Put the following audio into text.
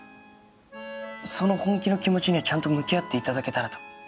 その本気の気持ちにはちゃんと向き合っていただけたらと。